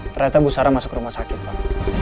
ternyata bu sarah masuk ke rumah sakit bang